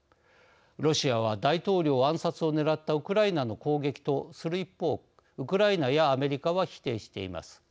ロシアは大統領暗殺を狙ったウクライナの攻撃とする一方ウクライナやアメリカは否定しています。